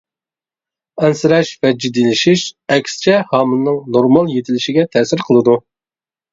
ئەنسىرەش ۋە جىددىيلىشىش ئەكسىچە ھامىلىنىڭ نورمال يېتىلىشىگە تەسىر قىلىدۇ.